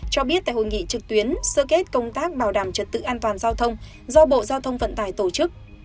cho biết tại hội nghị trực tuyến sơ kết công tác bảo đảm trật tự an toàn giao thông do bộ giao thông vận tải tổ chức